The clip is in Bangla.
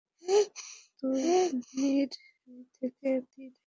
তুণীর থেকে তীর বের করলেন।